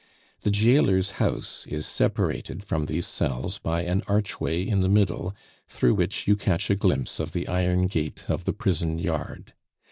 The jailer's house is separated from these cells by an archway in the middle, through which you catch a glimpse of the iron gate of the prison yard.